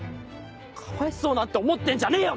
かわいそうなんて思ってんじゃねえよ